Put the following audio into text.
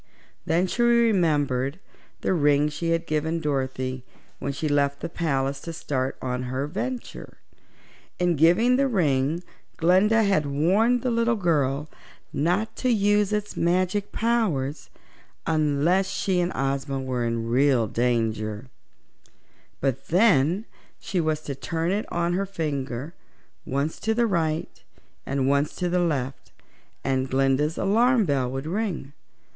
Then she remembered the ring she had given Dorothy when she left the palace to start on her venture. In giving the ring Glinda had warned the little girl not to use its magic powers unless she and Ozma were in real danger, but then she was to turn it on her finger once to the right and once to the left and Glinda's alarm bell would ring.